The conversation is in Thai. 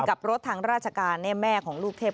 กับรถทางราชการแม่ของลูกเทพ